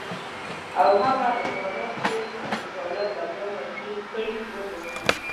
او هغه عبارات چې ابوطالب له ځانه جوړ کړي وباسي.